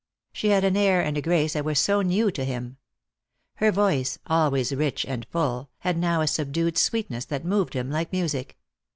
She had an air and a grace that were so new to him. Her voice, always rich and full, had now a subdued sweetness that moved him like music.